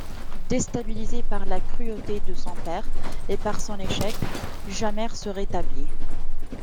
Déstabilisé par la cruauté de son père et par son échec, Jamère se rétablit.